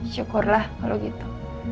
syukurlah kalau gitu